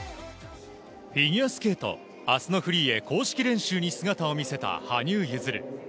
フィギュアスケート、あすのフリーへ公式練習へ姿を見せた羽生結弦。